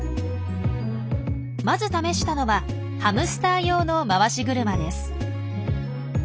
まず試したのはハムスター用の回し車です。